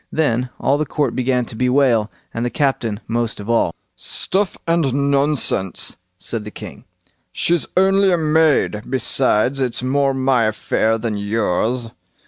Then all the court began to bewail, and the captain most of all. "Stuff and nonsense", said the king; "she's only a maid, besides it's more my affair than yours."